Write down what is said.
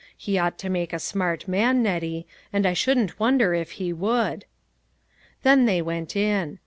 He ought to make a smart man, Nettie ; and I shouldn't wonder if he would." Then they went in.